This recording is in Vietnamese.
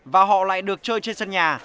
và họ lại được chơi trên sân nhà